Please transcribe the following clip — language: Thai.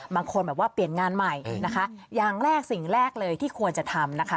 บางคนแบบว่าเปลี่ยนงานใหม่นะคะอย่างแรกสิ่งแรกเลยที่ควรจะทำนะคะ